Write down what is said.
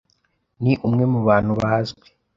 ni umwe mu bantu bazwi